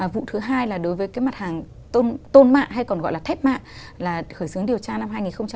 vụ thứ hai là đối với cái mặt hàng tôn mạ hay còn gọi là thép mạ là khởi xướng điều tra năm hai nghìn một mươi chín